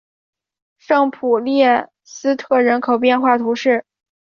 圣普列斯特人口变化图示